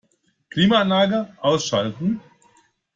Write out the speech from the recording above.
Klimaanlage ausschalten.